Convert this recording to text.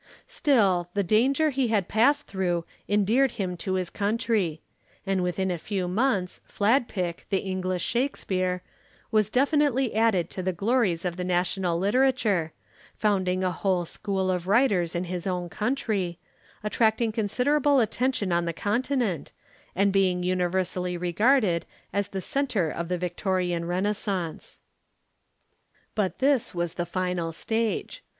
Still, the danger he had passed through endeared him to his country, and within a few months Fladpick, the English Shakespeare, was definitely added to the glories of the national literature, founding a whole school of writers in his own country, attracting considerable attention on the Continent, and being universally regarded as the centre of the Victorian Renaissance. But this was the final stage.